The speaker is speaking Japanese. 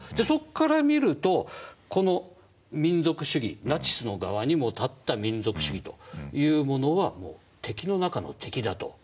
そこから見るとこの民族主義ナチスの側にも立った民族主義というものは敵の中の敵だと。